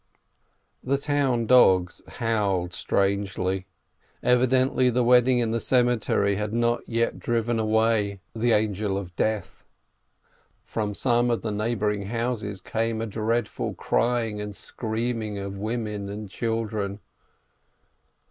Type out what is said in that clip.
The town dogs howled strangely. Evidently the wed ding in the cemetery had not yet driven away the Angel YITZCHOK YOSSEL BROITGEBER 243 of Death. From some of the neighboring houses came a dreadful crying and screaming of women and children.